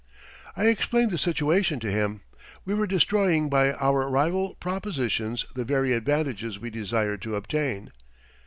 I explained the situation to him. We were destroying by our rival propositions the very advantages we desired to obtain.